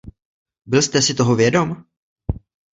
Byl jste si toho vědom?